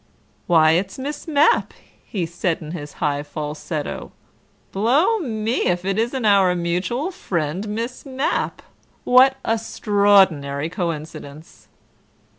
"Why, it's Miss Mapp," he said in his high falsetto. "Blow me, if it isn't our mutual friend Miss Mapp. What a 'strordinary coincidence."